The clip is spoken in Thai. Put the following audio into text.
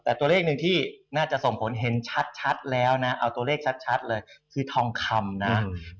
แต่ตัวเลขหนึ่งที่น่าจะส่งผลเห็นชัดแล้วนะเอาตัวเลขชัดเลยคือทองคำนะ